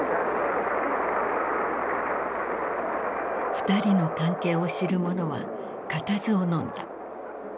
二人の関係を知る者は固唾をのんだ。